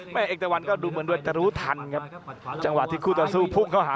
เอกตะวันก็ดูเหมือนว่าจะรู้ทันครับจังหวะที่คู่ต่อสู้พุ่งเข้าหา